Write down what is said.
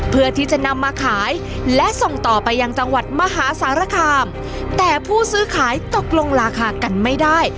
เพื่อที่จะนำมาขายและส่งต่อไปยังจังหวัดมหาสารคามแต่ผู้ซื้อขายตกลงราคากันไม่ได้